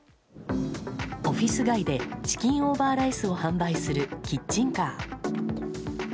オフィス街でチキンオーバーライスを販売するキッチンカー。